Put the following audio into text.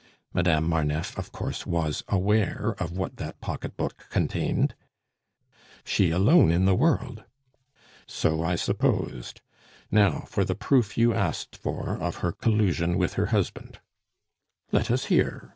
Madame Marneffe, of course, was aware of what that pocketbook contained?" "She alone in the world." "So I supposed. Now for the proof you asked for of her collusion with her husband." "Let us hear!"